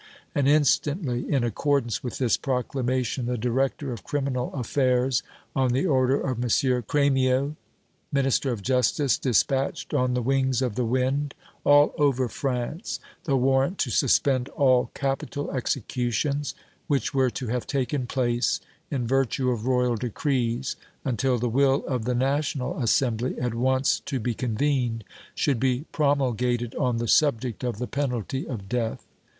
And, instantly, in accordance with this proclamation, the director of criminal affairs, on the order of M. Crémieux, Minister of Justice, dispatched on the wings of the wind, all over France, the warrant to suspend all capital executions which were to have taken place, in virtue of Royal decrees, until the will of the National Assembly, at once to be convened, should be promulgated on the subject of the penalty of death.